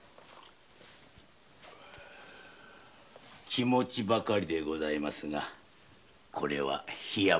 気持ちばかりでございますがこれは桧山様に。